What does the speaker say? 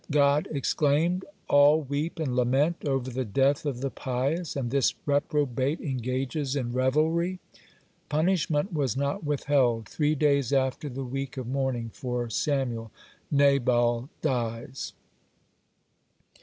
God exclaimed, "all weep and lament over the death of the pious, and this reprobate engages in revelry!" Punishment was not withheld. Three days after the week of mourning for Samuel Nabal dies.